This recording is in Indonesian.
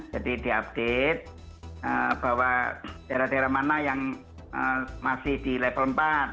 jadi diupdate bahwa daerah daerah mana yang masih di level empat